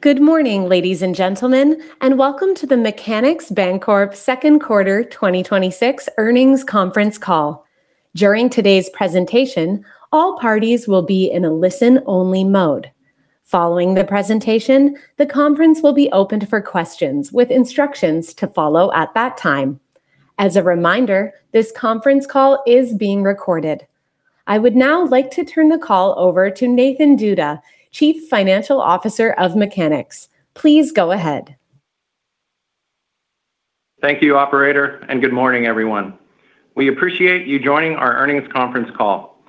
Good morning, ladies and gentlemen, and welcome to the Mechanics Bancorp second quarter 2026 earnings conference call. During today's presentation, all parties will be in a listen-only mode. Following the presentation, the conference will be opened for questions with instructions to follow at that time. As a reminder, this conference call is being recorded. I would now like to turn the call over to Nathan Duda, Chief Financial Officer of Mechanics. Please go ahead. Thank you, operator, and good morning, everyone. We appreciate you joining our earnings conference call.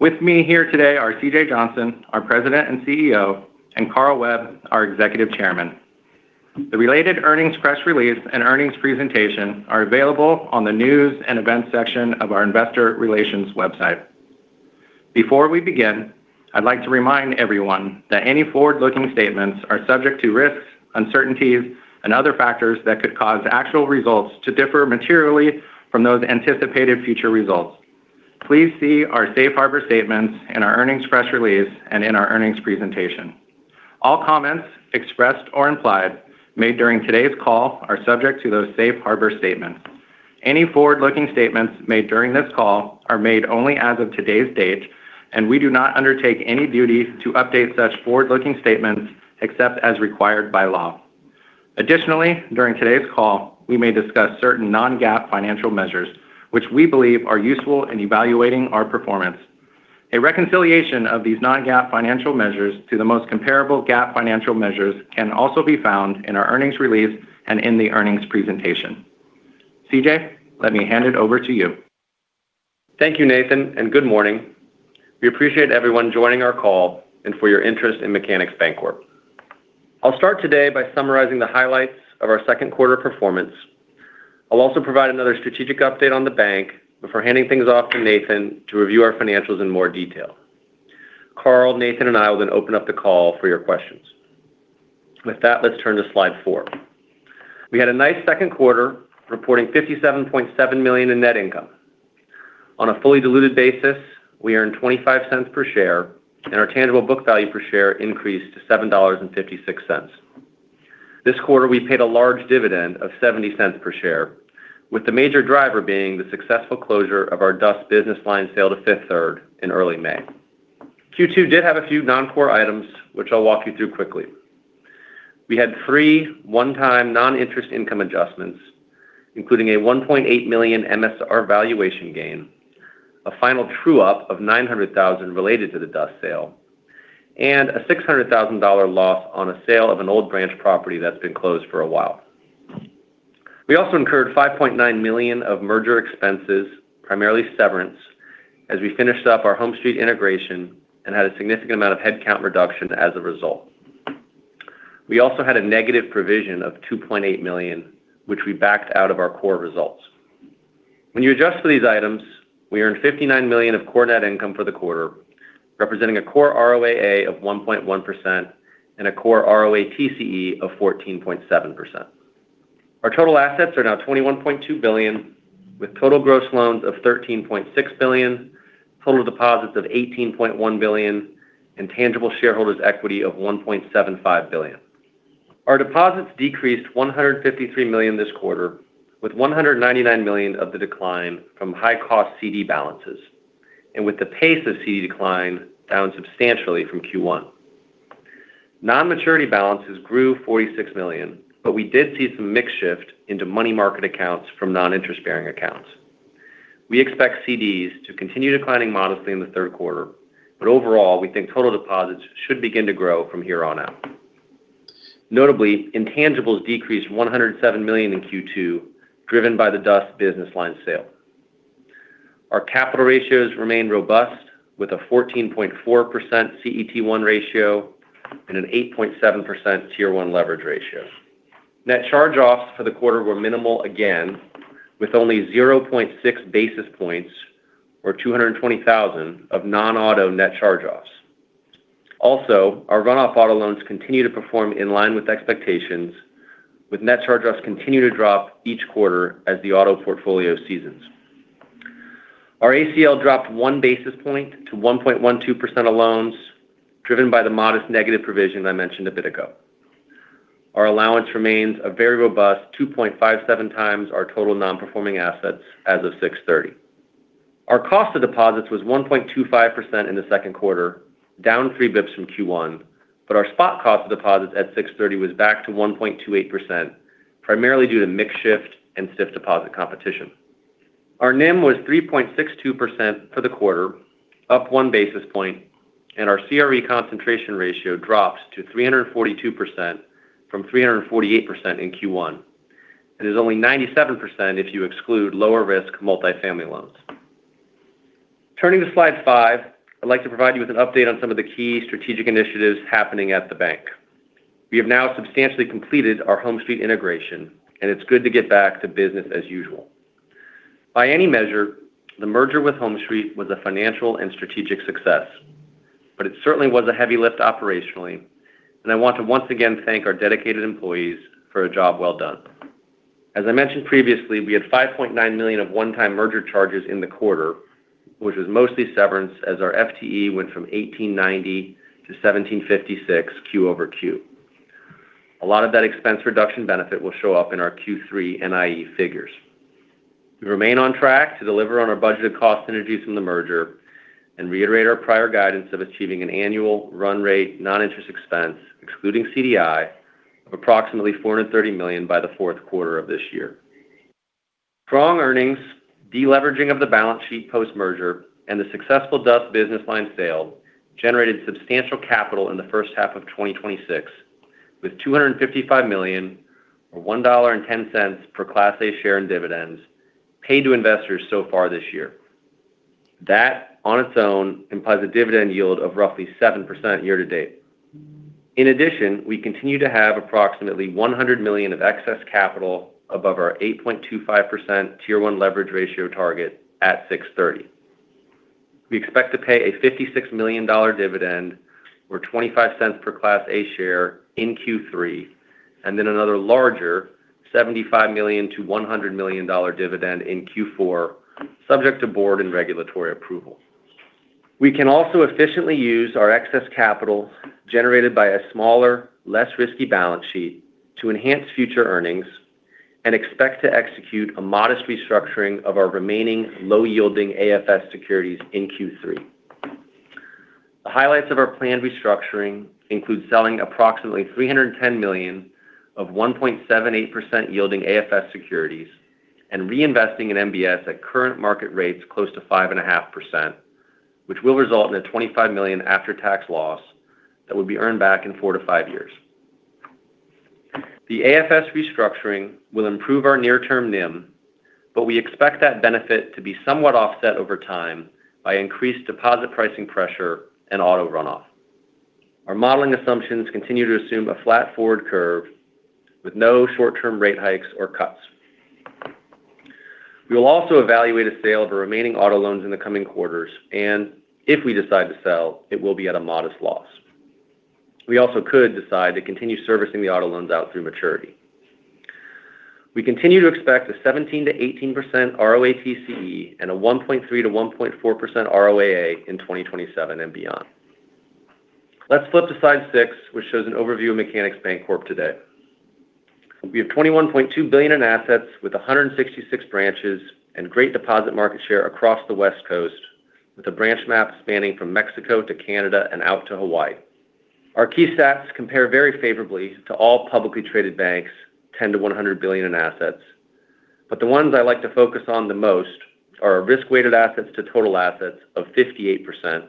With me here today are C.J. Johnson, our President and CEO, and Carl Webb, our Executive Chairman. The related earnings press release and earnings presentation are available on the news and events section of our investor relations website. Before we begin, I'd like to remind everyone that any forward-looking statements are subject to risks, uncertainties, and other factors that could cause actual results to differ materially from those anticipated future results. Please see our safe harbor statements in our earnings press release and in our earnings presentation. All comments expressed or implied made during today's call are subject to those safe harbor statements. Any forward-looking statements made during this call are made only as of today's date. We do not undertake any duty to update such forward-looking statements except as required by law. Additionally, during today's call, we may discuss certain non-GAAP financial measures which we believe are useful in evaluating our performance. A reconciliation of these non-GAAP financial measures to the most comparable GAAP financial measures can also be found in our earnings release and in the earnings presentation. C.J., let me hand it over to you. Thank you, Nathan, and good morning. We appreciate everyone joining our call and for your interest in Mechanics Bancorp. I'll start today by summarizing the highlights of our second quarter performance. I'll also provide another strategic update on the bank before handing things off to Nathan to review our financials in more detail. Carl, Nathan, and I will then open up the call for your questions. With that, let's turn to slide four. We had a nice second quarter, reporting $57.7 million in net income. On a fully diluted basis, we earned $0.25 per share, and our tangible book value per share increased to $7.56. This quarter, we paid a large dividend of $0.70 per share, with the major driver being the successful closure of our DUS Business Line sale to Fifth Third in early May. Q2 did have a few non-core items, which I'll walk you through quickly. We had three one-time non-interest income adjustments, including a $1.8 million MSR valuation gain, a final true-up of $900,000 related to the DUS sale, and a $600,000 loss on a sale of an old branch property that's been closed for a while. We also incurred $5.9 million of merger expenses, primarily severance, as we finished up our HomeStreet integration and had a significant amount of headcount reduction as a result. We also had a negative provision of $2.8 million, which we backed out of our core results. When you adjust for these items, we earned $59 million of core net income for the quarter, representing a core ROAA of 1.1% and a core ROATCE of 14.7%. Our total assets are now $21.2 billion, with total gross loans of $13.6 billion, total deposits of $18.1 billion, and tangible shareholders' equity of $1.75 billion. Our deposits decreased $153 million this quarter, with $199 million of the decline from high-cost CD balances, and with the pace of CD decline down substantially from Q1. Non-maturity balances grew $46 million, but we did see some mix shift into money market accounts from non-interest-bearing accounts. We expect CDs to continue declining modestly in the third quarter, but overall, we think total deposits should begin to grow from here on out. Notably, intangibles decreased $107 million in Q2, driven by the DUS Business Line sale. Our capital ratios remain robust, with a 14.4% CET1 ratio and an 8.7% Tier 1 leverage ratio. Net charge-offs for the quarter were minimal again, with only 0.6 basis points, or $220,000, of non-auto net charge-offs. Also, our run-off auto loans continue to perform in line with expectations, with net charge-offs continuing to drop each quarter as the auto portfolio seasons. Our ACL dropped one basis point to 1.12% of loans, driven by the modest negative provision I mentioned a bit ago. Our allowance remains a very robust 2.57x our total non-performing assets as of 6/30. Our cost of deposits was 1.25% in the second quarter, down three basis points from Q1, but our spot cost of deposits at 6/30 was back to 1.28%, primarily due to mix shift and stiff deposit competition. Our NIM was 3.62% for the quarter, up one basis point, and our CRE concentration ratio dropped to 342% from 348% in Q1, and is only 97% if you exclude lower-risk multifamily loans. Turning to slide five, I'd like to provide you with an update on some of the key strategic initiatives happening at the bank. We have now substantially completed our HomeStreet integration, and it's good to get back to business as usual. By any measure, the merger with HomeStreet was a financial and strategic success, but it certainly was a heavy lift operationally, and I want to once again thank our dedicated employees for a job well done. As I mentioned previously, we had $5.9 million of one-time merger charges in the quarter, which was mostly severance as our FTE went from 1,890 to 1,756 Q over Q. A lot of that expense reduction benefit will show up in our Q3 NIE figures. We remain on track to deliver on our budgeted cost synergies from the merger and reiterate our prior guidance of achieving an annual run rate non-interest expense, excluding CDI, of approximately $430 million by the fourth quarter of this year. Strong earnings, de-leveraging of the balance sheet post-merger, and the successful DUS business line sale generated substantial capital in the first half of 2026, with $255 million or $1.10 per class A share in dividends paid to investors so far this year. That, on its own, implies a dividend yield of roughly 7% year-to-date. In addition, we continue to have approximately $100 million of excess capital above our 8.25% tier 1 leverage ratio target at 630. We expect to pay a $56 million dividend or $0.25 per class A share in Q3. Another larger $75 million-$100 million dividend in Q4, subject to board and regulatory approval. We can also efficiently use our excess capital generated by a smaller, less risky balance sheet to enhance future earnings and expect to execute a modest restructuring of our remaining low-yielding AFS securities in Q3. The highlights of our planned restructuring include selling approximately $310 million of 1.78% yielding AFS securities and reinvesting in MBS at current market rates close to 5.5%, which will result in a $25 million after-tax loss that would be earned back in four to five years. The AFS restructuring will improve our near-term NIM, but we expect that benefit to be somewhat offset over time by increased deposit pricing pressure and auto runoff. Our modeling assumptions continue to assume a flat forward curve with no short-term rate hikes or cuts. We will also evaluate a sale of the remaining auto loans in the coming quarters. If we decide to sell, it will be at a modest loss. We also could decide to continue servicing the auto loans out through maturity. We continue to expect a 17%-18% ROATCE and a 1.3%-1.4% ROAA in 2027 and beyond. Let's flip to slide six, which shows an overview of Mechanics Bancorp today. We have $21.2 billion in assets with 166 branches and great deposit market share across the West Coast, with a branch map spanning from Mexico to Canada and out to Hawaii. Our key stats compare very favorably to all publicly traded banks, $10 billion-$100 billion in assets. The ones I like to focus on the most are our risk-weighted assets to total assets of 58%,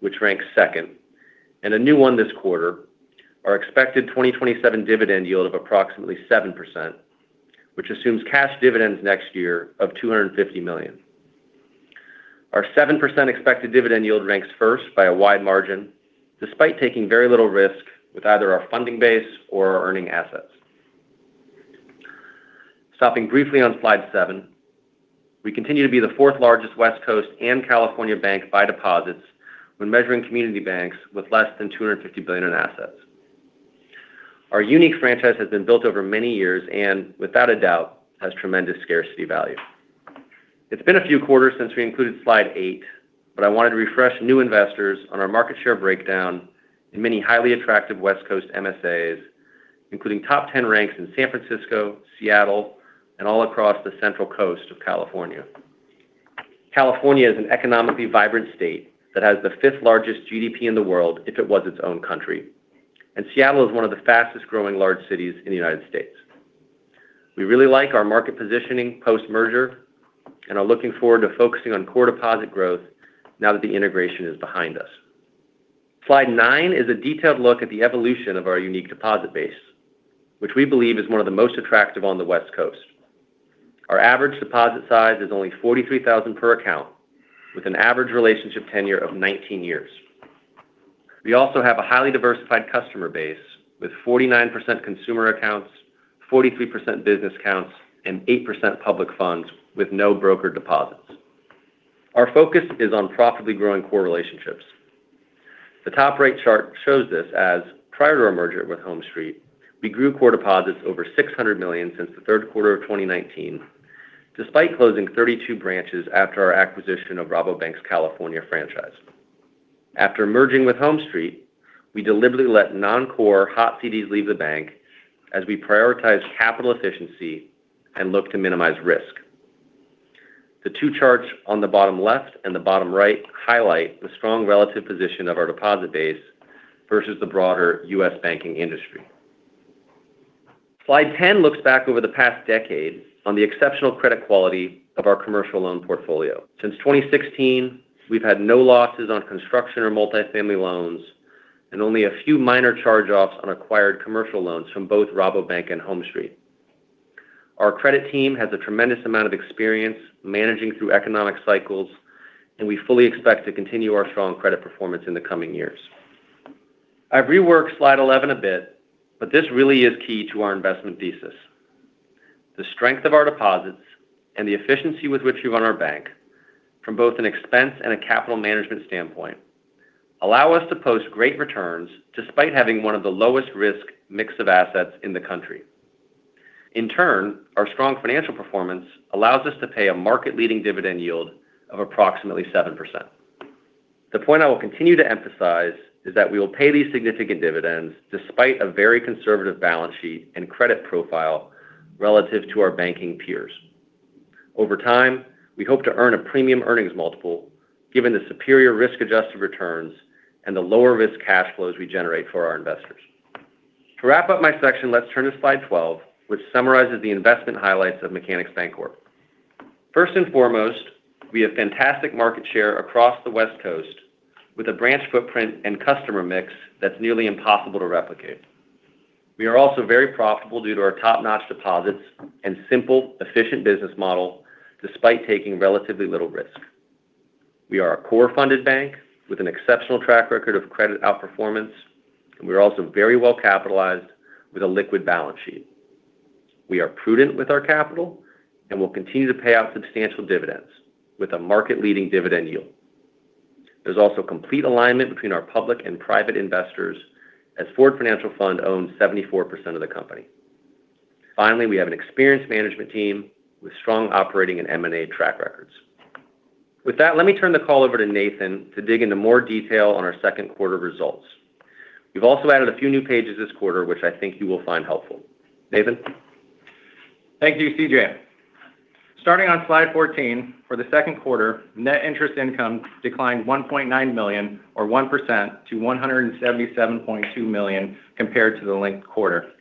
which ranks second. A new one this quarter, our expected 2027 dividend yield of approximately 7%, which assumes cash dividends next year of $250 million. Our 7% expected dividend yield ranks first by a wide margin, despite taking very little risk with either our funding base or our earning assets. Stopping briefly on slide seven, we continue to be the fourth-largest West Coast and California bank by deposits when measuring community banks with less than $250 billion in assets. Our unique franchise has been built over many years without a doubt has tremendous scarcity value. It's been a few quarters since we included slide eight, but I wanted to refresh new investors on our market share breakdown in many highly attractive West Coast MSAs, including top 10 ranks in San Francisco, Seattle, and all across the central coast of California. California is an economically vibrant state that has the fifth-largest GDP in the world if it was its own country. Seattle is one of the fastest-growing large cities in the United States. We really like our market positioning post-merger and are looking forward to focusing on core deposit growth now that the integration is behind us. Slide nine is a detailed look at the evolution of our unique deposit base, which we believe is one of the most attractive on the West Coast. Our average deposit size is only $43,000 per account, with an average relationship tenure of 19 years. We also have a highly diversified customer base with 49% consumer accounts, 43% business accounts, and 8% public funds with no broker deposits. Our focus is on profitably growing core relationships. The top right chart shows this as prior to our merger with HomeStreet, we grew core deposits over $600 million since the third quarter of 2019, despite closing 32 branches after our acquisition of Rabobank's California franchise. After merging with HomeStreet, we deliberately let non-core hot CDs leave the bank as we prioritize capital efficiency and look to minimize risk. The two charts on the bottom left and the bottom right highlight the strong relative position of our deposit base versus the broader U.S. banking industry. Slide 10 looks back over the past decade on the exceptional credit quality of our commercial loan portfolio. Since 2016, we've had no losses on construction or multifamily loans and only a few minor charge-offs on acquired commercial loans from both Rabobank and HomeStreet. Our credit team has a tremendous amount of experience managing through economic cycles. We fully expect to continue our strong credit performance in the coming years. I've reworked slide 11 a bit, but this really is key to our investment thesis. The strength of our deposits and the efficiency with which we run our bank from both an expense and a capital management standpoint allow us to post great returns despite having one of the lowest risk mix of assets in the country. In turn, our strong financial performance allows us to pay a market-leading dividend yield of approximately 7%. The point I will continue to emphasize is that we will pay these significant dividends despite a very conservative balance sheet and credit profile relative to our banking peers. Over time, we hope to earn a premium earnings multiple given the superior risk-adjusted returns and the lower-risk cash flows we generate for our investors. To wrap up my section, let's turn to slide 12, which summarizes the investment highlights of Mechanics Bancorp. First and foremost, we have fantastic market share across the West Coast, with a branch footprint and customer mix that's nearly impossible to replicate. We are also very profitable due to our top-notch deposits and simple, efficient business model, despite taking relatively little risk. We are a core-funded bank with an exceptional track record of credit outperformance. We are also very well capitalized with a liquid balance sheet. We are prudent with our capital and will continue to pay out substantial dividends with a market-leading dividend yield. There's also complete alignment between our public and private investors as Ford Financial Fund owns 74% of the company. Finally, we have an experienced management team with strong operating and M&A track records. With that, let me turn the call over to Nathan to dig into more detail on our second quarter results. We've also added a few new pages this quarter, which I think you will find helpful. Nathan? Thank you, C.J. Starting on slide 14, for the second quarter, net interest income declined $1.9 million, or 1%, to $177.2 million compared to the linked quarter.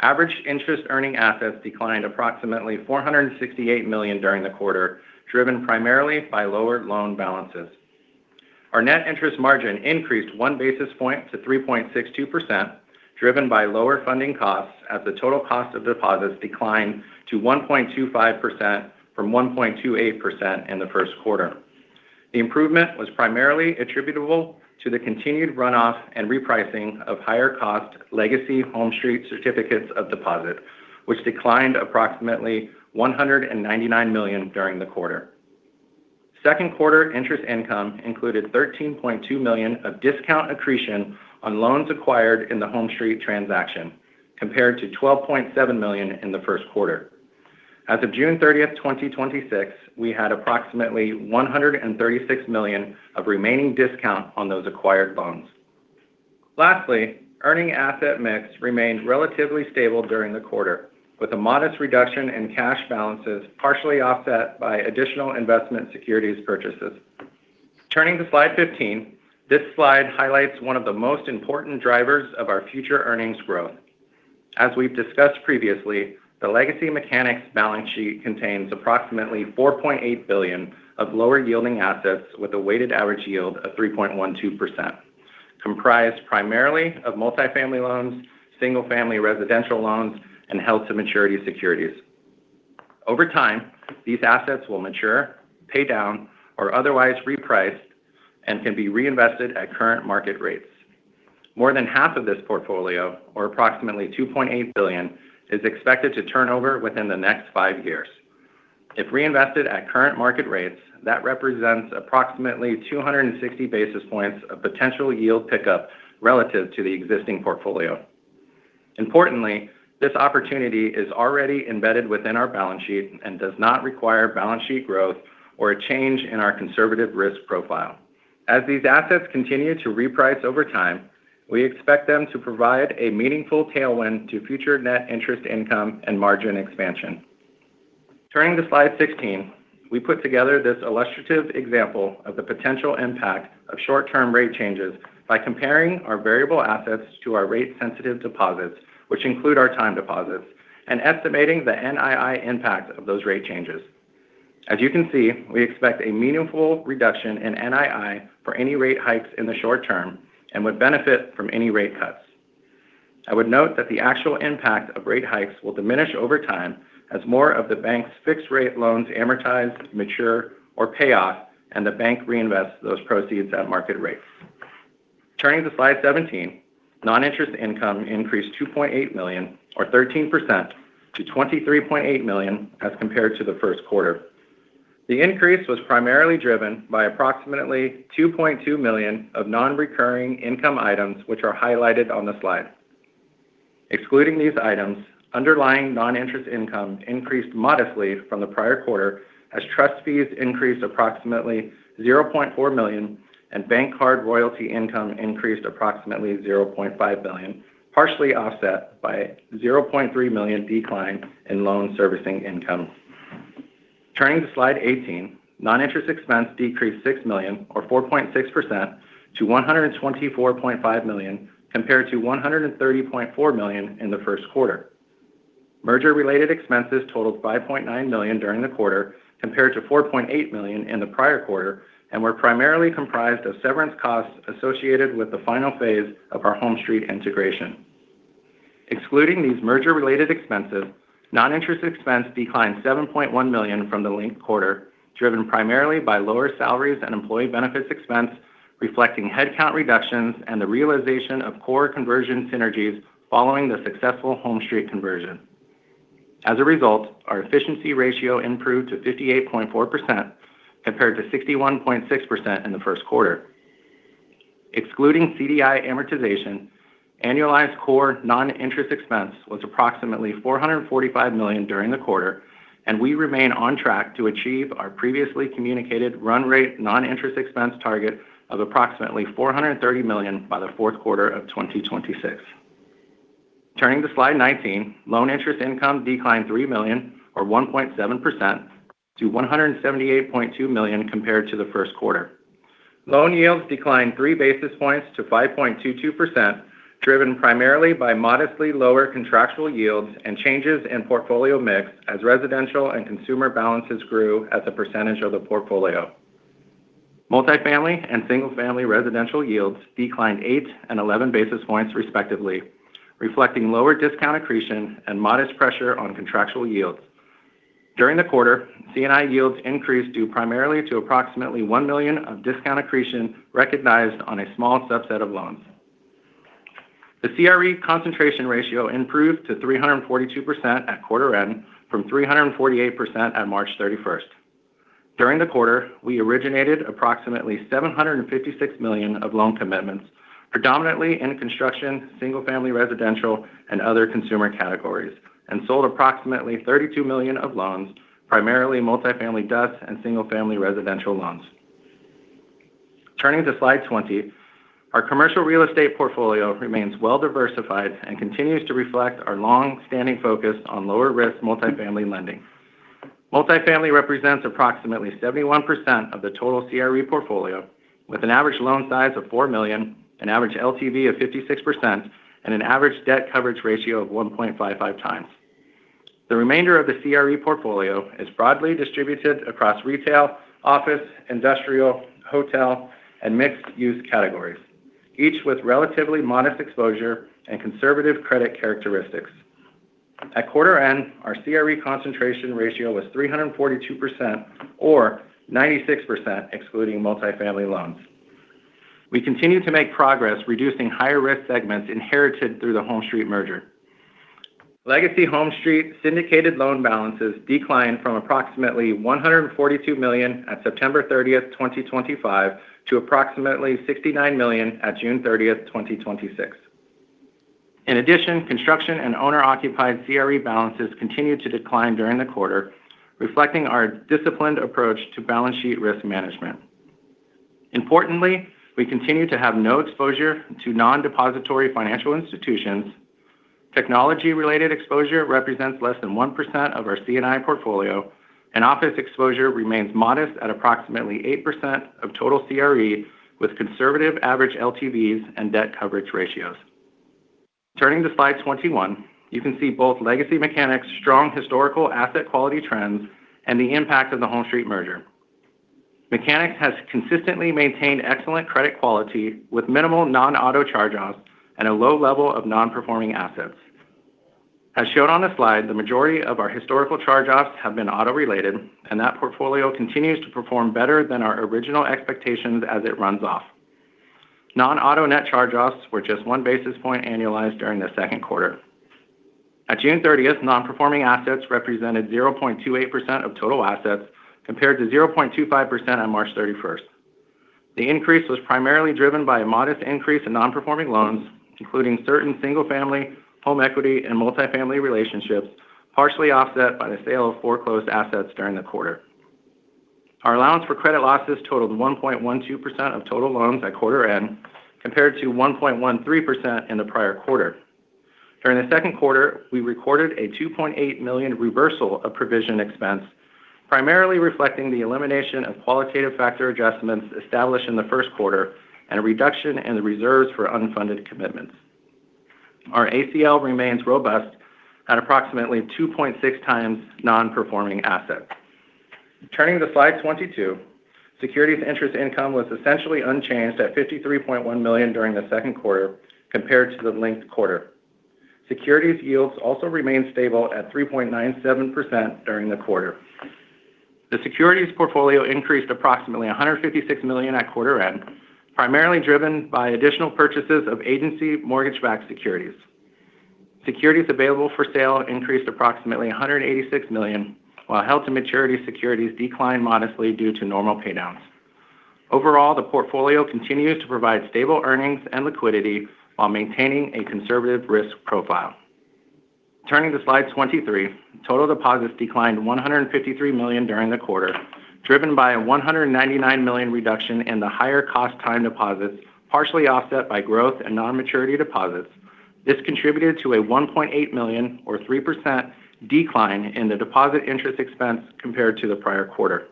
Average interest-earning assets declined approximately $468 million during the quarter, driven primarily by lower loan balances. Our net interest margin increased one basis point to 3.62%, driven by lower funding costs as the total cost of deposits declined to 1.25% from 1.28% in the first quarter. The improvement was primarily attributable to the continued runoff and repricing of higher-cost legacy HomeStreet certificates of deposit, which declined approximately $199 million during the quarter. Second quarter interest income included $13.2 million of discount accretion on loans acquired in the HomeStreet transaction, compared to $12.7 million in the first quarter. As of June 30th, 2026, we had approximately $136 million of remaining discount on those acquired loans. Lastly, earning asset mix remained relatively stable during the quarter, with a modest reduction in cash balances partially offset by additional investment securities purchases. Turning to slide 15, this slide highlights one of the most important drivers of our future earnings growth. As we've discussed previously, the Legacy Mechanics balance sheet contains approximately $4.8 billion of lower-yielding assets with a weighted average yield of 3.12%, comprised primarily of multifamily loans, single-family residential loans, and held-to-maturity securities. Over time, these assets will mature, pay down, or otherwise reprice and can be reinvested at current market rates. More than half of this portfolio, or approximately $2.8 billion, is expected to turn over within the next five years. If reinvested at current market rates, that represents approximately 260 basis points of potential yield pickup relative to the existing portfolio. Importantly, this opportunity is already embedded within our balance sheet and does not require balance sheet growth or a change in our conservative risk profile. As these assets continue to reprice over time, we expect them to provide a meaningful tailwind to future net interest income and margin expansion. Turning to slide 16, we put together this illustrative example of the potential impact of short-term rate changes by comparing our variable assets to our rate-sensitive deposits, which include our time deposits, and estimating the NII impact of those rate changes. As you can see, we expect a meaningful reduction in NII for any rate hikes in the short term and would benefit from any rate cuts. I would note that the actual impact of rate hikes will diminish over time as more of the bank's fixed-rate loans amortize, mature, or pay off, and the bank reinvests those proceeds at market rates. Turning to slide 17, non-interest income increased $2.8 million, or 13%, to $23.8 million as compared to the first quarter. The increase was primarily driven by approximately $2.2 million of non-recurring income items, which are highlighted on the slide. Excluding these items, underlying non-interest income increased modestly from the prior quarter as trust fees increased approximately $0.4 million and bank card royalty income increased approximately $0.5 million, partially offset by $0.3 million decline in loan servicing income. Turning to slide 18, non-interest expense decreased $6 million, or 4.6%, to $124.5 million, compared to $130.4 million in the first quarter. Merger-related expenses totaled $5.9 million during the quarter, compared to $4.8 million in the prior quarter, and were primarily comprised of severance costs associated with the final phase of our HomeStreet integration. Excluding these merger-related expenses, non-interest expense declined $7.1 million from the linked quarter, driven primarily by lower salaries and employee benefits expense, reflecting headcount reductions and the realization of core conversion synergies following the successful HomeStreet conversion. As a result, our efficiency ratio improved to 58.4%, compared to 61.6% in the first quarter. Excluding CDI amortization, annualized core non-interest expense was approximately $445 million during the quarter, and we remain on track to achieve our previously communicated run rate non-interest expense target of approximately $430 million by the fourth quarter of 2026. Turning to slide 19, loan interest income declined $3 million or 1.7% to $178.2 million compared to the first quarter. Loan yields declined three basis points to 5.22%, driven primarily by modestly lower contractual yields and changes in portfolio mix as residential and consumer balances grew as a percentage of the portfolio. Multifamily and single-family residential yields declined eight and 11 basis points respectively, reflecting lower discount accretion and modest pressure on contractual yields. During the quarter, C&I yields increased due primarily to approximately $1 million of discount accretion recognized on a small subset of loans. The CRE concentration ratio improved to 342% at quarter end from 348% at March 31st. During the quarter, we originated approximately $756 million of loan commitments, predominantly in construction, single-family residential, and other consumer categories, and sold approximately $32 million of loans, primarily multifamily debts and single-family residential loans. Turning to slide 20, our commercial real estate portfolio remains well diversified and continues to reflect our longstanding focus on lower-risk multifamily lending. Multifamily represents approximately 71% of the total CRE portfolio, with an average loan size of $4 million, an average LTV of 56%, and an average debt coverage ratio of 1.55x. The remainder of the CRE portfolio is broadly distributed across retail, office, industrial, hotel, and mixed-use categories, each with relatively modest exposure and conservative credit characteristics. At quarter end, our CRE concentration ratio was 342%, or 96% excluding multifamily loans. We continue to make progress reducing higher-risk segments inherited through the HomeStreet merger. Legacy HomeStreet syndicated loan balances declined from approximately $142 million on September 30th, 2025 to approximately $69 million on June 30th, 2026. In addition, construction and owner-occupied CRE balances continued to decline during the quarter, reflecting our disciplined approach to balance sheet risk management. Importantly, we continue to have no exposure to non-depository financial institutions. Technology-related exposure represents less than 1% of our C&I portfolio, and office exposure remains modest at approximately 8% of total CRE with conservative average LTVs and debt coverage ratios. Turning to slide 21, you can see both Legacy Mechanics' strong historical asset quality trends and the impact of the HomeStreet merger. Mechanics has consistently maintained excellent credit quality with minimal non-auto charge-offs and a low level of non-performing assets. As shown on the slide, the majority of our historical charge-offs have been auto-related, and that portfolio continues to perform better than our original expectations as it runs off. Non-auto net charge-offs were just one basis point annualized during the second quarter. On June 30th, non-performing assets represented 0.28% of total assets compared to 0.25% on March 31st. The increase was primarily driven by a modest increase in non-performing loans, including certain single-family home equity and multifamily relationships, partially offset by the sale of foreclosed assets during the quarter. Our allowance for credit losses totaled 1.12% of total loans at quarter end, compared to 1.13% in the prior quarter. During the second quarter, we recorded a $2.8 million reversal of provision expense, primarily reflecting the elimination of qualitative factor adjustments established in the first quarter and a reduction in the reserves for unfunded commitments. Our ACL remains robust at approximately 2.6x non-performing assets. Turning to slide 22, securities interest income was essentially unchanged at $53.1 million during the second quarter compared to the linked quarter. Securities yields also remained stable at 3.97% during the quarter. The securities portfolio increased approximately $156 million at quarter end, primarily driven by additional purchases of agency mortgage-backed securities. Securities available for sale increased approximately $186 million, while held-to-maturity securities declined modestly due to normal paydowns. Overall, the portfolio continues to provide stable earnings and liquidity while maintaining a conservative risk profile. Turning to slide 23, total deposits declined $153 million during the quarter, driven by a $199 million reduction in the higher-cost time deposits, partially offset by growth in non-maturity deposits. This contributed to a $1.8 million or 3% decline in the deposit interest expense compared to the prior quarter.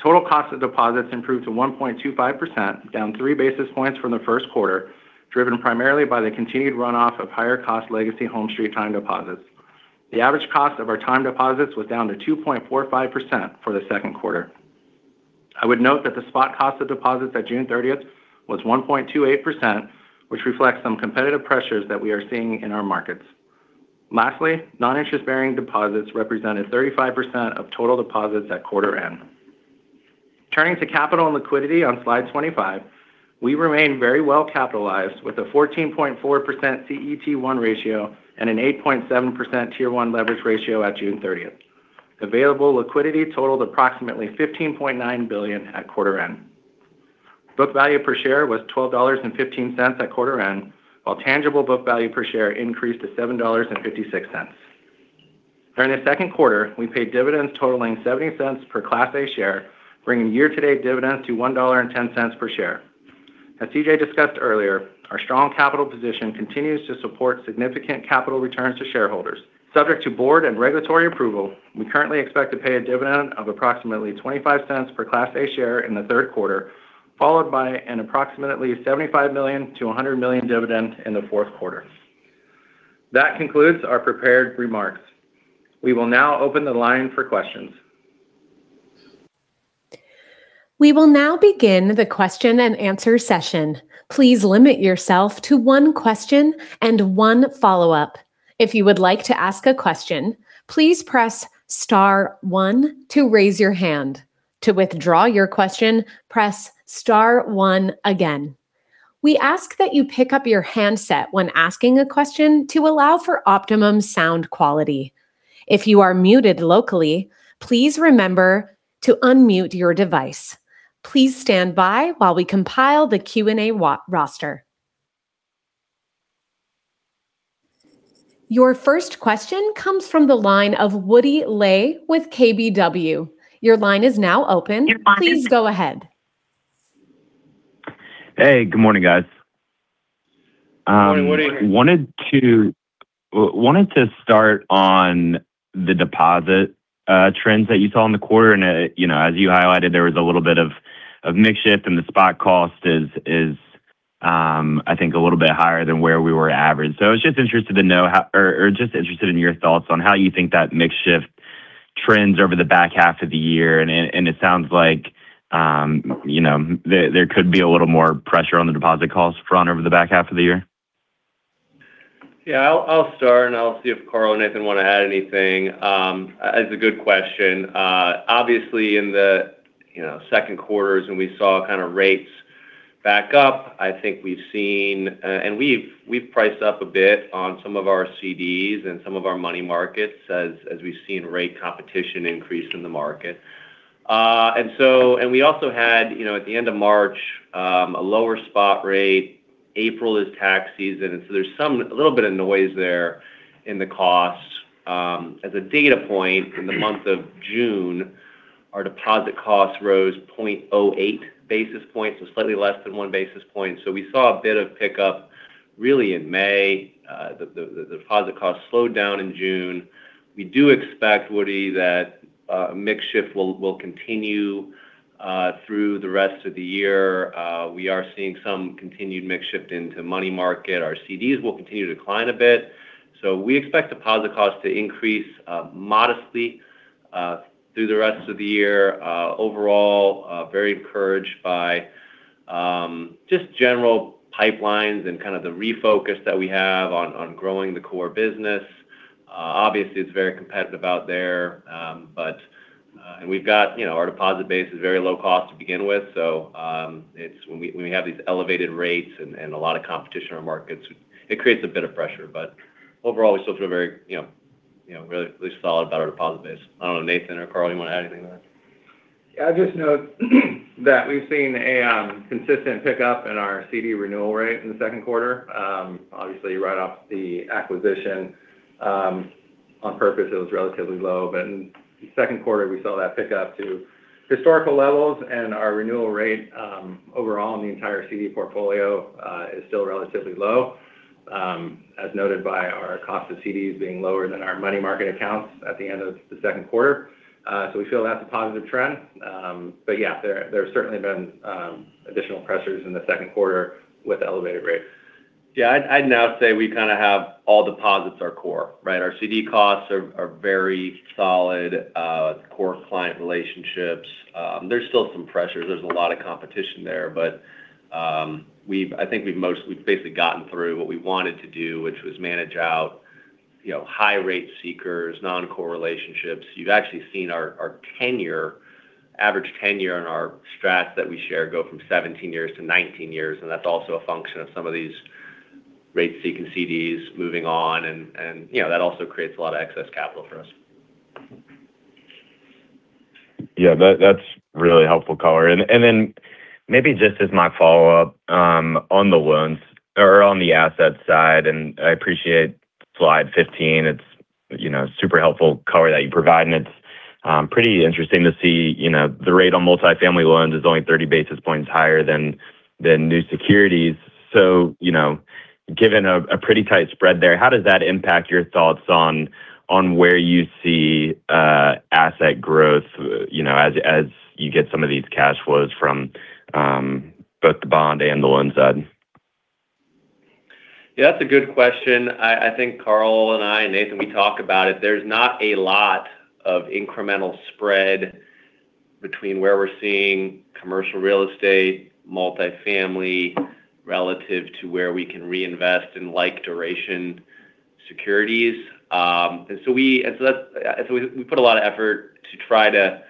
Total cost of deposits improved to 1.25%, down three basis points from the first quarter, driven primarily by the continued runoff of higher-cost legacy HomeStreet time deposits. The average cost of our time deposits was down to 2.45% for the second quarter. I would note that the spot cost of deposits at June 30th was 1.28%, which reflects some competitive pressures that we are seeing in our markets. Lastly, non-interest-bearing deposits represented 35% of total deposits at quarter end. Turning to capital and liquidity on slide 25, we remain very well-capitalized with a 14.4% CET1 ratio and an 8.7% Tier 1 leverage ratio at June 30th. Available liquidity totaled approximately $15.9 billion at quarter-end. Book value per share was $12.15 at quarter-end, while tangible book value per share increased to $7.56. During the second quarter, we paid dividends totaling $0.70 per class A share, bringing year-to-date dividends to $1.10 per share. As C.J. discussed earlier, our strong capital position continues to support significant capital returns to shareholders. Subject to board and regulatory approval, we currently expect to pay a dividend of approximately $0.25 per class A share in the third quarter, followed by an approximately $75 million-$100 million dividend in the fourth quarter. That concludes our prepared remarks. We will now open the line for questions. We will now begin the question-and-answer session. Please limit yourself to one question and one follow-up. If you would like to ask a question, please press star one to raise your hand. To withdraw your question, press star one again. We ask that you pick up your handset when asking a question to allow for optimum sound quality. If you are muted locally, please remember to unmute your device. Please stand by while we compile the Q&A roster. Your first question comes from the line of Woody Lay with KBW. Your line is now open. Please go ahead. Hey, good morning, guys. Morning, Woody. Wanted to start on the deposit trends that you saw in the quarter, and as you highlighted, there was a little bit of mix shift and the spot cost is I think a little bit higher than where we were average. I was just interested in your thoughts on how you think that mix shift trends over the back half of the year, and it sounds like there could be a little more pressure on the deposit costs front over the back half of the year. Yeah, I'll start and I'll see if Carl or Nathan want to add anything. It's a good question. Obviously, in the second quarter when we saw rates back up, I think we've seen, and we've priced up a bit on some of our CDs and some of our money markets as we've seen rate competition increase in the market. We also had at the end of March, a lower spot rate. April is tax season, there's a little bit of noise there in the cost. As a data point, in the month of June, our deposit costs rose 0.08 basis points, so slightly less than one basis point. We saw a bit of pickup really in May. The deposit costs slowed down in June. We do expect, Woody, that mix shift will continue through the rest of the year. We are seeing some continued mix shift into money market. Our CDs will continue to decline a bit. We expect deposit costs to increase modestly through the rest of the year. Overall, very encouraged by just general pipelines and kind of the refocus that we have on growing the core business. Obviously, it's very competitive out there. Our deposit base is very low cost to begin with. When we have these elevated rates and a lot of competition in our markets, it creates a bit of pressure. Overall, we still feel very solid about our deposit base. I don't know, Nathan or Carl, you want to add anything to that? I'd just note that we've seen a consistent pickup in our CD renewal rate in the second quarter. Obviously, right off the acquisition, on purpose it was relatively low. In the second quarter, we saw that pick up to historical levels, and our renewal rate overall in the entire CD portfolio is still relatively low, as noted by our cost of CDs being lower than our money market accounts at the end of the second quarter. We feel that's a positive trend. Yeah, there's certainly been additional pressures in the second quarter with elevated rates. Yeah, I'd now say we kind of have all deposits are core, right? Our CD costs are very solid. Core client relationships. There's still some pressures. There's a lot of competition there, but I think we've basically gotten through what we wanted to do, which was manage out high rate seekers, non-core relationships. You've actually seen our average tenure in our stats that we share go from 17 years to 19 years, and that's also a function of some of these rate-seeking CDs moving on, and that also creates a lot of excess capital for us. Yeah, that's really helpful color. Maybe just as my follow-up on the loans or on the asset side, and I appreciate slide 15. It's super helpful color that you provide, and it's pretty interesting to see the rate on multifamily loans is only 30 basis points higher than new securities. Given a pretty tight spread there, how does that impact your thoughts on where you see asset growth as you get some of these cash flows from both the bond and the loan side? Yeah, that's a good question. I think Carl and I and Nathan, we talk about it. There's not a lot of incremental spread between where we're seeing commercial real estate, multifamily, relative to where we can reinvest in like duration Securities. We put a lot of effort to try to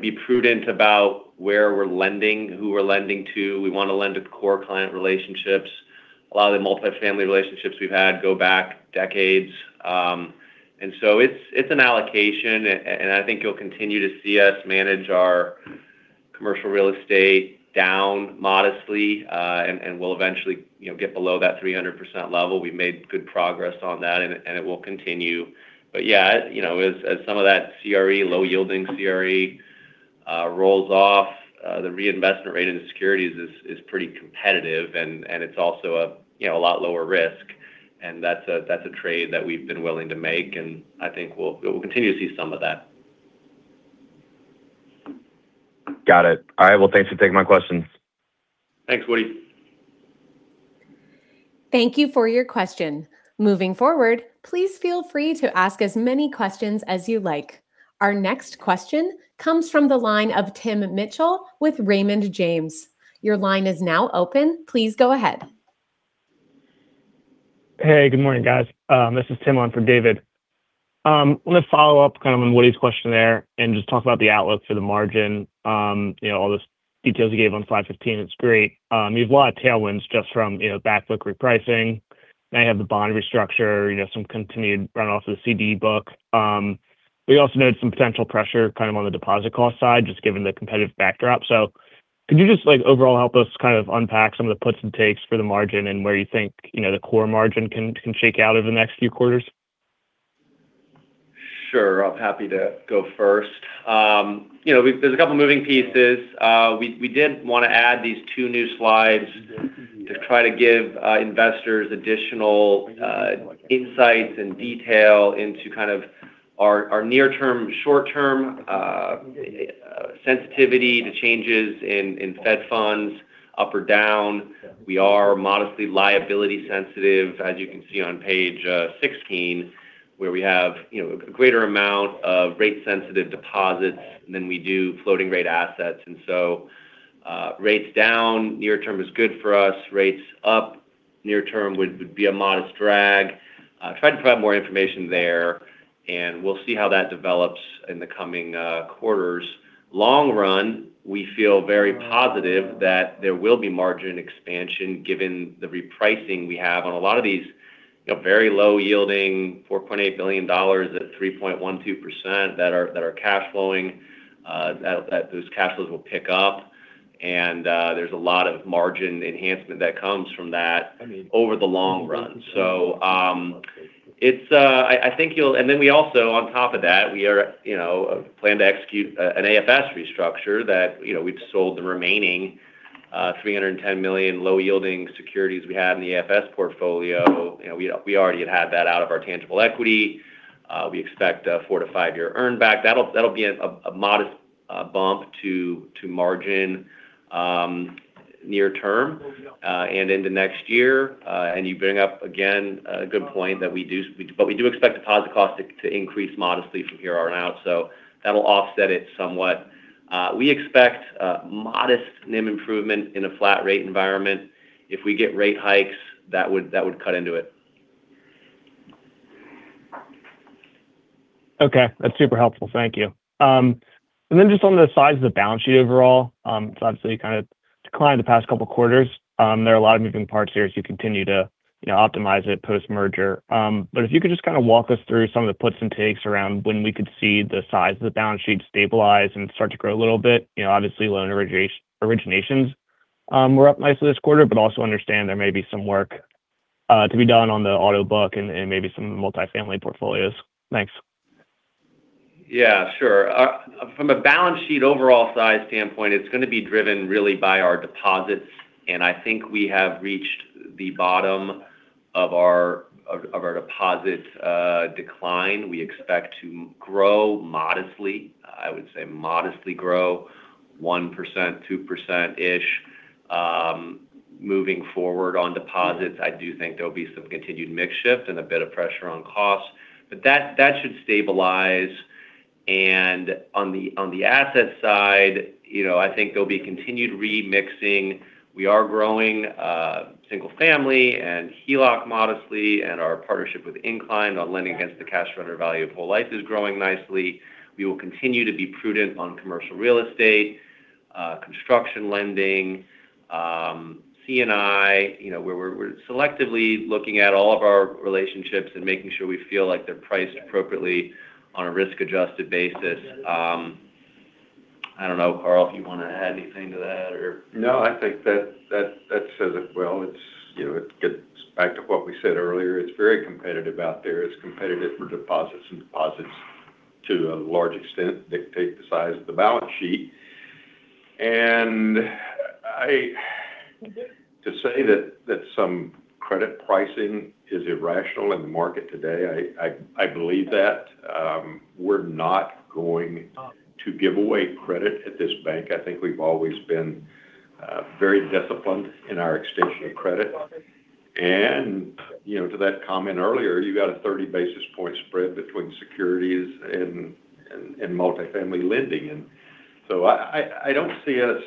be prudent about where we're lending, who we're lending to. We want to lend to core client relationships. A lot of the multi-family relationships we've had go back decades. It's an allocation, and I think you'll continue to see us manage our commercial real estate down modestly, and we'll eventually get below that 300% level. We've made good progress on that, and it will continue. Yeah, as some of that CRE, low-yielding CRE rolls off, the reinvestment rate into securities is pretty competitive and it's also a lot lower risk. That's a trade that we've been willing to make, and I think we'll continue to see some of that. Got it. All right. Well, thanks for taking my questions. Thanks, Woody. Thank you for your question. Moving forward, please feel free to ask as many questions as you like. Our next question comes from the line of Tim Mitchell with Raymond James. Your line is now open. Please go ahead. Hey, good morning, guys. This is Tim on for David. I'm going to follow up on Woody's question there and just talk about the outlook for the margin. All those details you gave on slide 15, it's great. You have a lot of tailwinds just from back book repricing. Now you have the bond restructure, some continued run-off of the CD book. You also noted some potential pressure on the deposit cost side, just given the competitive backdrop. Could you just overall help us unpack some of the puts and takes for the margin and where you think the core margin can shake out over the next few quarters? Sure. I'm happy to go first. There's a couple moving pieces. We did want to add these two new slides to try to give investors additional insights and detail into our near-term, short-term sensitivity to changes in Fed funds, up or down. We are modestly liability sensitive, as you can see on page 16, where we have a greater amount of rate-sensitive deposits than we do floating-rate assets. Rates down near term is good for us. Rates up near term would be a modest drag. Tried to provide more information there, and we'll see how that develops in the coming quarters. Long run, we feel very positive that there will be margin expansion given the repricing we have on a lot of these very low yielding $4.8 billion at 3.12% that are cash flowing. Those cash flows will pick up, there's a lot of margin enhancement that comes from that over the long run. We also, on top of that, we plan to execute an AFS restructure that we've sold the remaining $310 million low-yielding securities we had in the AFS portfolio. We already had that out of our tangible equity. We expect a four to five-year earn back. That'll be a modest bump to margin near term and into next year. You bring up, again, a good point that we do expect deposit cost to increase modestly from here on out. That'll offset it somewhat. We expect modest NIM improvement in a flat rate environment. If we get rate hikes, that would cut into it. Okay. That's super helpful. Thank you. Just on the size of the balance sheet overall, it's obviously declined the past couple of quarters. There are a lot of moving parts here as you continue to optimize it post-merger. If you could just walk us through some of the puts and takes around when we could see the size of the balance sheet stabilize and start to grow a little bit. Obviously, loan originations were up nicely this quarter, but also understand there may be some work to be done on the auto book and maybe some multifamily portfolios. Thanks. Yeah, sure. From a balance sheet overall size standpoint, it's going to be driven really by our deposits, I think we have reached the bottom of our deposit decline. We expect to grow modestly. I would say modestly grow 1%, 2%-ish. Moving forward on deposits, I do think there'll be some continued mix shift and a bit of pressure on costs. That should stabilize. On the asset side, I think there'll be continued remixing. We are growing single family and HELOC modestly, our partnership with Inclined on lending against the cash surrender value of whole life is growing nicely. We will continue to be prudent on commercial real estate, construction lending, C&I. We're selectively looking at all of our relationships and making sure we feel like they're priced appropriately on a risk-adjusted basis. I don't know, Carl, if you want to add anything to that? No, I think that says it well. It gets back to what we said earlier. It's very competitive out there. It's competitive for deposits, and deposits, to a large extent, dictate the size of the balance sheet. To say that some credit pricing is irrational in the market today, I believe that. We're not going to give away credit at this bank. I think we've always been very disciplined in our extension of credit. To that comment earlier, you got a 30 basis point spread between securities and multifamily lending. I don't see us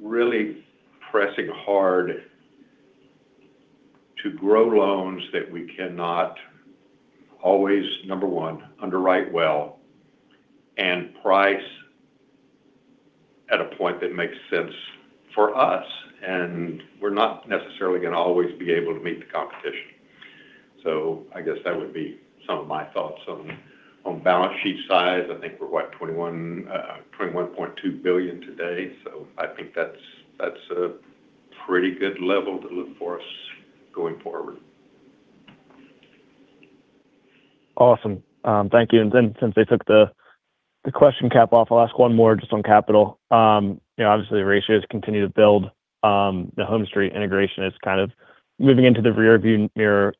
Really pressing hard to grow loans that we cannot always, one, underwrite well and price at a point that makes sense for us. We're not necessarily going to always be able to meet the competition. I guess that would be some of my thoughts on balance sheet size. I think we're, what, $21.2 billion today. I think that's a pretty good level to look for us going forward. Awesome. Thank you. Since they took the question cap off, I'll ask one more just on capital. Obviously, ratios continue to build. The HomeStreet integration is kind of moving into the rear view mirror.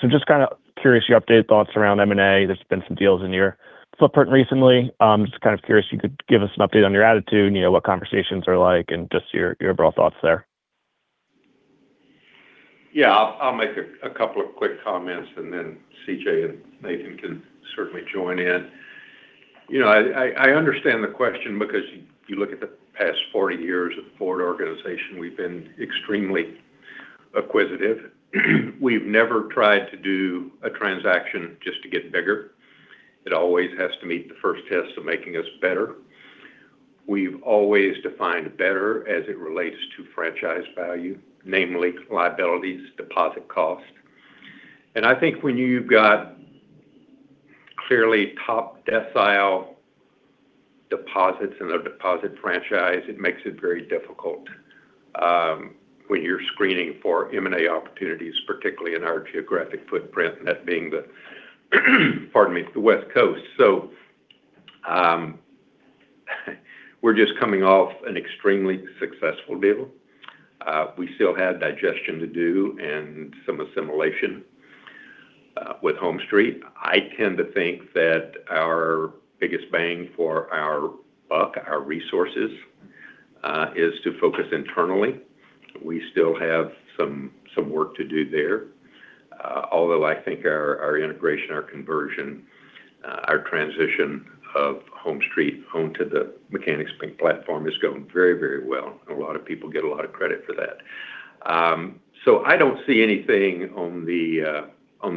Just kind of curious, your updated thoughts around M&A. There's been some deals in your footprint recently. Just kind of curious if you could give us an update on your attitude, what conversations are like, and just your overall thoughts there. Yeah. I'll make a couple of quick comments, and then C.J. and Nathan can certainly join in. I understand the question because you look at the past 40 years of the Ford organization, we've been extremely acquisitive. We've never tried to do a transaction just to get bigger. It always has to meet the first test of making us better. We've always defined better as it relates to franchise value, namely liabilities, deposit cost. I think when you've got clearly top decile deposits in a deposit franchise, it makes it very difficult when you're screening for M&A opportunities, particularly in our geographic footprint, that being the pardon me, the West Coast. We're just coming off an extremely successful deal. We still have digestion to do and some assimilation with HomeStreet. I tend to think that our biggest bang for our buck, our resources, is to focus internally. We still have some work to do there. Although I think our integration, our conversion, our transition of HomeStreet home to the Mechanics Bank platform is going very well. A lot of people get a lot of credit for that. I don't see anything on the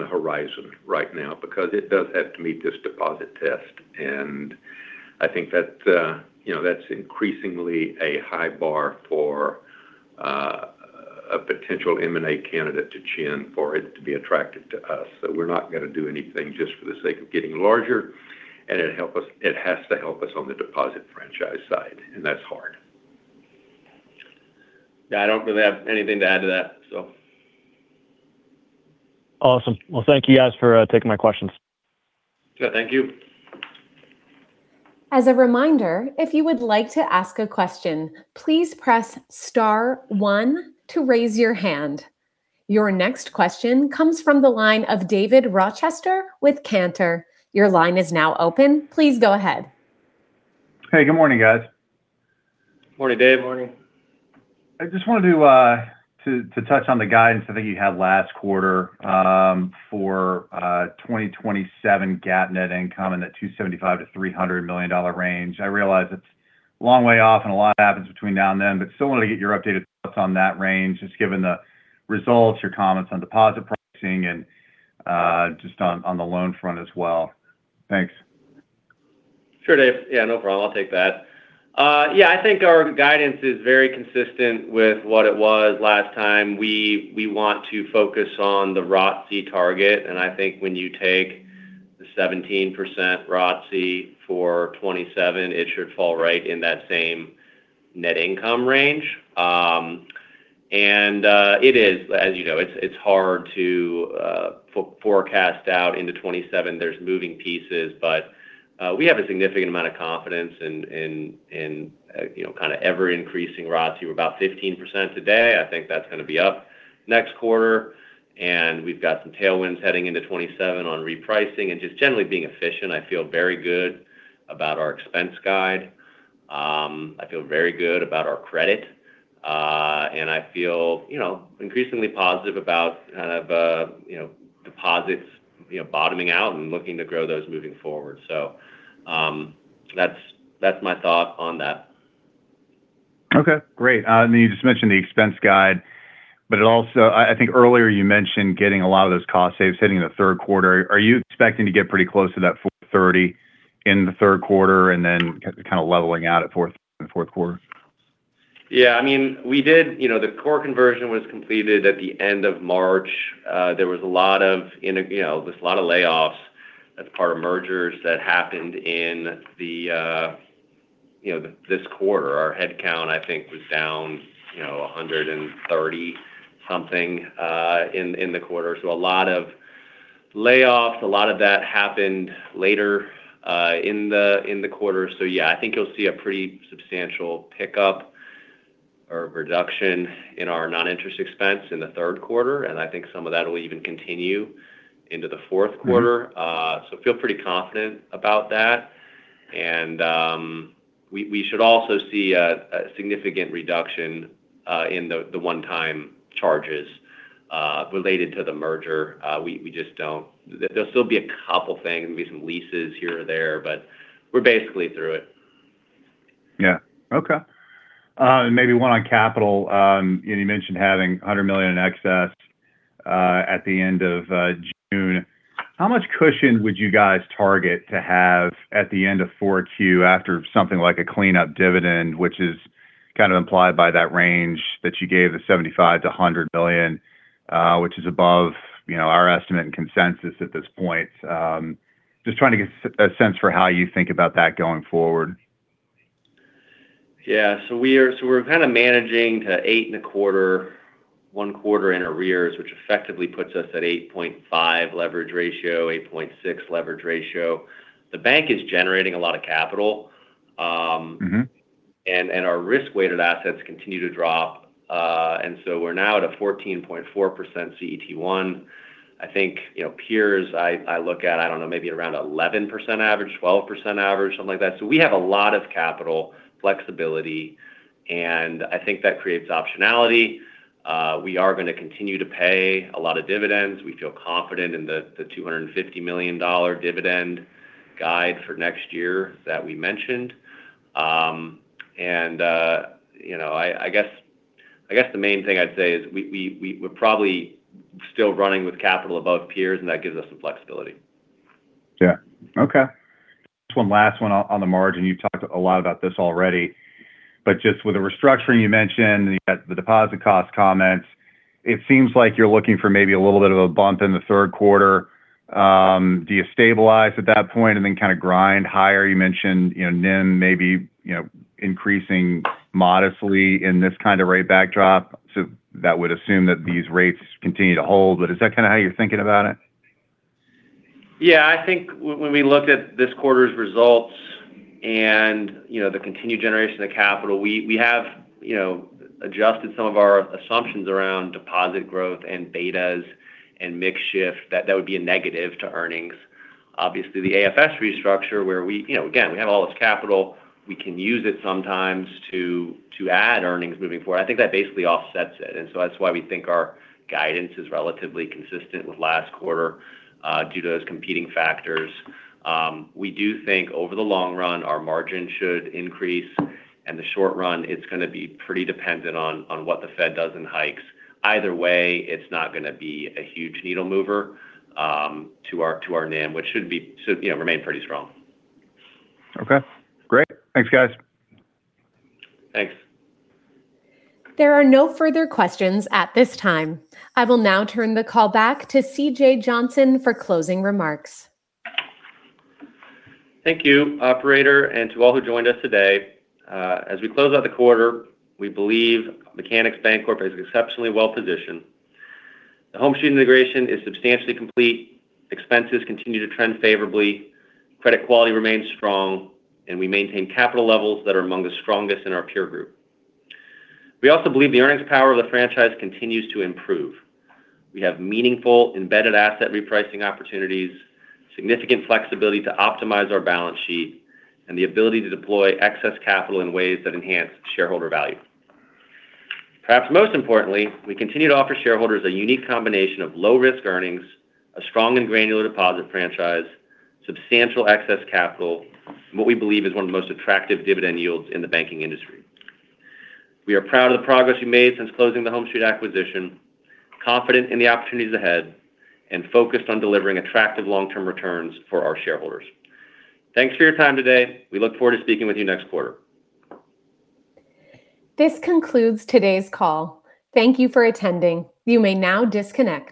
horizon right now because it does have to meet this deposit test, and I think that's increasingly a high bar for a potential M&A candidate to chin for it to be attractive to us. We're not going to do anything just for the sake of getting larger, and it has to help us on the deposit franchise side, and that's hard. Yeah, I don't really have anything to add to that. Awesome. Thank you guys for taking my questions. Yeah, thank you. As a reminder, if you would like to ask a question, please press star one to raise your hand. Your next question comes from the line of David Rochester with Cantor. Your line is now open. Please go ahead. Hey, good morning, guys. Morning, Dave. Morning. I just wanted to touch on the guidance I think you had last quarter for 2027 GAAP net income in the $275 million-$300 million range. I realize it's a long way off and a lot happens between now and then, Still want to get your updated thoughts on that range, just given the results, your comments on deposit pricing, and just on the loan front as well. Thanks. Sure, Dave. No problem. I'll take that. I think our guidance is very consistent with what it was last time. We want to focus on the ROTCE target, I think when you take the 17% ROTCE for 2027, it should fall right in that same net income range. It is, as you know, it's hard to forecast out into 2027. There's moving pieces. We have a significant amount of confidence in ever-increasing ROTCE. We're about 15% today. I think that's going to be up next quarter, We've got some tailwinds heading into 2027 on repricing and just generally being efficient. I feel very good about our expense guide. I feel very good about our credit. I feel increasingly positive about deposits bottoming out and looking to grow those moving forward. That's my thought on that. Okay. Great. You just mentioned the expense guide. Also, I think earlier you mentioned getting a lot of those cost saves hitting in the third quarter. Are you expecting to get pretty close to that $430 in the third quarter and then kind of leveling out at fourth in the fourth quarter? The core conversion was completed at the end of March. There was a lot of layoffs as part of mergers that happened in this quarter. Our head count, I think, was down 130 something in the quarter. A lot of layoffs, a lot of that happened later in the quarter. I think you'll see a pretty substantial pickup or reduction in our non-interest expense in the third quarter, I think some of that will even continue into the fourth quarter. Feel pretty confident about that. We should also see a significant reduction in the one-time charges related to the merger. There'll still be a couple things. There'll be some leases here or there, but we're basically through it. Okay. Maybe one on capital. You mentioned having $100 million in excess at the end of June. How much cushion would you guys target to have at the end of 4Q after something like a cleanup dividend, which is kind of implied by that range that you gave, the $75 million-$100 million, which is above our estimate and consensus at this point. Just trying to get a sense for how you think about that going forward. We're kind of managing to 8.25%, one quarter in arrears, which effectively puts us at 8.5 leverage ratio, 8.6 leverage ratio. The bank is generating a lot of capital. Our risk-weighted assets continue to drop. We're now at a 14.4% CET1. I think peers I look at, I don't know, maybe around 11% average, 12% average, something like that. We have a lot of capital flexibility, and I think that creates optionality. We are going to continue to pay a lot of dividends. We feel confident in the $250 million dividend guide for next year that we mentioned. I guess the main thing I'd say is we're probably still running with capital above peers, and that gives us some flexibility. Okay. Just one last one on the margin. You've talked a lot about this already. Just with the restructuring you mentioned, and you've got the deposit cost comments. It seems like you're looking for maybe a little bit of a bump in the third quarter. Do you stabilize at that point and then kind of grind higher? You mentioned NIM maybe increasing modestly in this kind of rate backdrop. That would assume that these rates continue to hold, but is that kind of how you're thinking about it? Yeah. I think when we look at this quarter's results and the continued generation of capital, we have adjusted some of our assumptions around deposit growth and betas and mix shift. That would be a negative to earnings. Obviously, the AFS restructure where we again have all this capital. We can use it sometimes to add earnings moving forward. I think that basically offsets it. That's why we think our guidance is relatively consistent with last quarter due to those competing factors. We do think over the long run, our margin should increase. In the short run, it's going to be pretty dependent on what the Fed does in hikes. Either way, it's not going to be a huge needle mover to our NIM, which should remain pretty strong. Okay. Great. Thanks, guys. Thanks. There are no further questions at this time. I will now turn the call back to C.J. Johnson for closing remarks. Thank you, operator, and to all who joined us today. As we close out the quarter, we believe Mechanics Bancorp is exceptionally well-positioned. The HomeStreet integration is substantially complete, expenses continue to trend favorably, credit quality remains strong, and we maintain capital levels that are among the strongest in our peer group. We also believe the earnings power of the franchise continues to improve. We have meaningful embedded asset repricing opportunities, significant flexibility to optimize our balance sheet, and the ability to deploy excess capital in ways that enhance shareholder value. Perhaps most importantly, we continue to offer shareholders a unique combination of low-risk earnings, a strong and granular deposit franchise, substantial excess capital, and what we believe is one of the most attractive dividend yields in the banking industry. We are proud of the progress we've made since closing the HomeStreet acquisition, confident in the opportunities ahead, and focused on delivering attractive long-term returns for our shareholders. Thanks for your time today. We look forward to speaking with you next quarter. This concludes today's call. Thank you for attending. You may now disconnect.